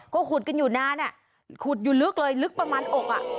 ก็ขุดกันอยู่นานขุดอยู่ลึกเลยลึกประมาณอกอ่ะ